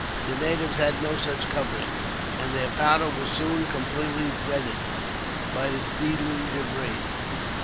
The natives had no such coverings, and their powder was soon completely wetted, by the deluge of rain.